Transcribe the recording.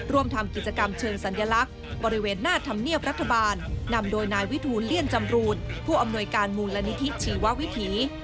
ร่วมทำกิจกรรมเชิงสัญลักษณ์บริเวณหน้าธรรมเนียบรัฐบาลนำโดยนายวิทูลเลี่ยนจำรูนผู้อำนวยการมูลนิธิชีววิถี